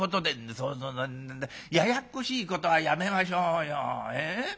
「そんなややっこしいことはやめましょうよ。